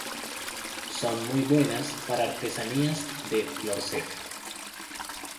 Son muy buenas para artesanías de "flor seca".